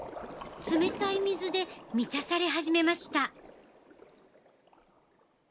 冷たい水で満たされ始めました。